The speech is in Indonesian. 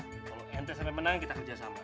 kalau ente sampai menang kita kerja sama